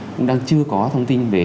cũng đang chưa có thông tin về